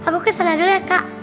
aku kesana dulu ya kak